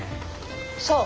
そう。